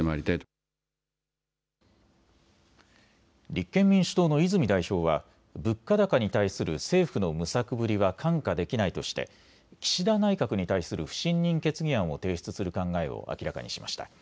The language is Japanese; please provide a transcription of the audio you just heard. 立憲民主党の泉代表は物価高に対する政府の無策ぶりは看過できないとして岸田内閣に対する不信任決議案を提出する考えを明らかにしました。